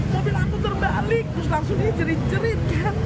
mobil aku terbalik terus langsung dia jerit jerit kan